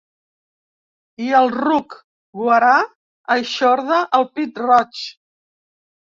I el ruc guarà eixorda el pit-roig.